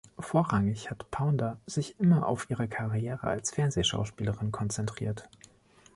Vorrangig hat Pounder sich immer auf ihre Karriere als Fernsehschauspielerin konzentriert.